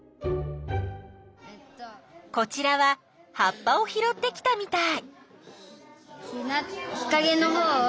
こちらは葉っぱをひろってきたみたい。